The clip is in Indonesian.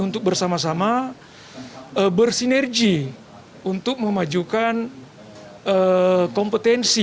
untuk bersama sama bersinergi untuk memajukan kompetensi